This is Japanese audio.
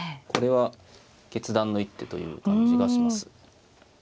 これは決断の一手という感じがします。